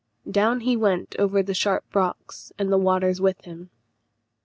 Down he went over the sharp rocks, and the waters with him.